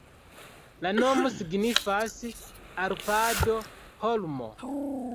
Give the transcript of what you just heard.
La nomo signifas Arpado-holmo.